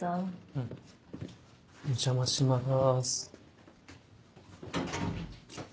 うんお邪魔します。